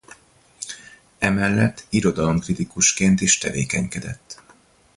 E mellett irodalomkritikusként is tevékenykedett.